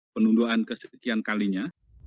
penunduan kesekian kalinya